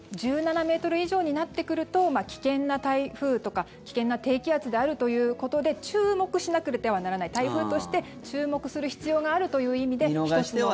１７ｍ以上になってくると危険な台風とか危険な低気圧であるということで注目しなくてはならない台風として注目する必要があるという意味で、１つの。